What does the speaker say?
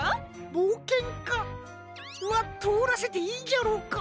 ぼうけんかはとおらせていいんじゃろうか？